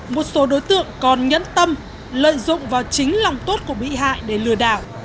một số đối tượng còn nhẫn tâm lợi dụng vào chính lòng tốt của bị hại để lừa đảo